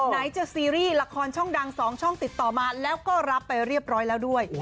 ไหนจะซีรีส์ละครช่องดัง๒ช่องติดต่อมาแล้วก็รับไปเรียบร้อยแล้วด้วย